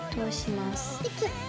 でキュッと。